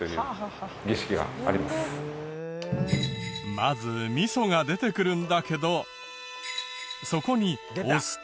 まず味噌が出てくるんだけどそこにお酢と。